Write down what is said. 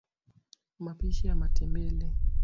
mapishi ya matembele